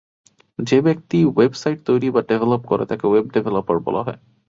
যে ব্যক্তি ওয়েবসাইট তৈরী বা ডেভেলপ করে তাকে ওয়েব ডেভেলপার বলা হয়।